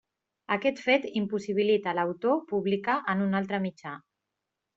Aquest fet impossibilita l'autor publicar en un altre mitjà.